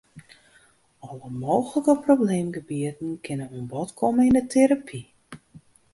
Alle mooglike probleemgebieten kinne oan bod komme yn 'e terapy.